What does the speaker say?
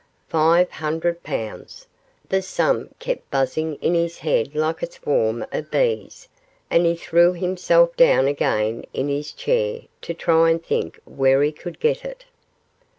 Five hundred pounds! The sum kept buzzing in his head like a swarm of bees, and he threw himself down again in his chair to try and think where he could get it.